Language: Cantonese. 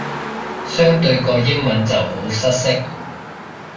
相對個英文就好失色